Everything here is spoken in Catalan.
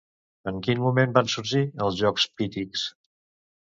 En quin moment van sorgir els jocs Pítics?